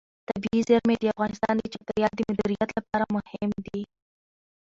طبیعي زیرمې د افغانستان د چاپیریال د مدیریت لپاره مهم دي.